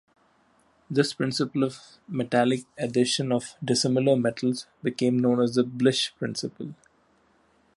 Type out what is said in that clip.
This principle of metallic adhesion of dissimilar metals became known as the Blish Principle.